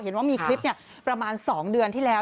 เห็นว่ามีคลิปประมาณ๒เดือนที่แล้ว